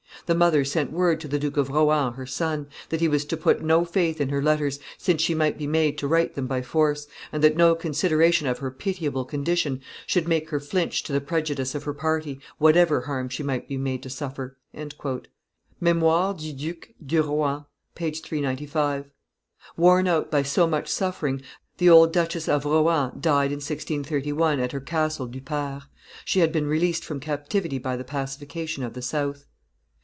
The mother sent word to the Duke of Rohan, her son, that he was to put no faith in her letters, since she might be made to write them by force, and that no consideration of her pitiable condition should make her flinch to the prejudice of her party, whatever harm she might be made to suffer." [Memoires du Duc de Rohan, t. i. p. 395.] Worn out by so much suffering, the old Duchess of Rohan died in 1631 at her castle Du Pare: she had been released from captivity by the pacification of the South.